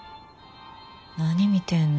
何見てんの？